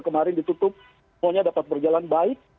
kemarin ditutup pon nya dapat berjalan baik